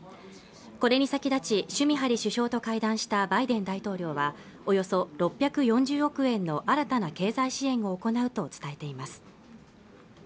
これに先立ちシュミハリ首相と会談したバイデン大統領はおよそ６４０億円の新たな経済支援を行うと伝えています